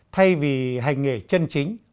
thay vì hành nghề chân chính